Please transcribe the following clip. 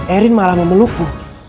erin malah memelukmu